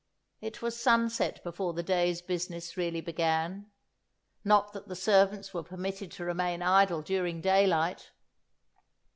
It was sunset before the day's business really began. Not that the servants were permitted to remain idle during daylight.